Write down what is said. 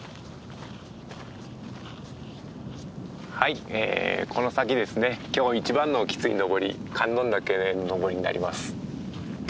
はいこの先ですね今日一番のきつい登り観音岳の登りになります。